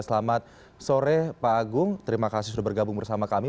selamat sore pak agung terima kasih sudah bergabung bersama kami